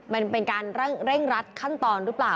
มันเป็นการเร่งรัดขั้นตอนหรือเปล่า